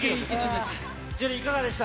樹、いかがでした？